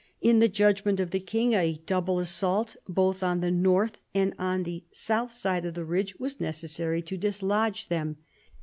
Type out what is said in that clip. In the judgment of the king, a double assault both on the north and on the south side of the ridge was necessary to dislodge them.